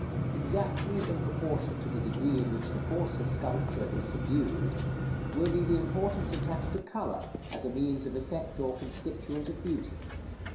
Exactly in proportion to the degree in which the force of sculpture is subdued, will be the importance attached to color as a means of effect or constituent of beauty.